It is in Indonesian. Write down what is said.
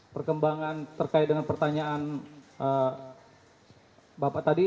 perkembangan terkait dengan pertanyaan bapak tadi